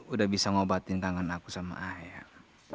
udah bisa ngobatin tangan aku sama ayah